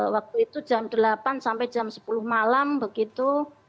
waktu itu jam delapan sampai jam sepuluh malam begitu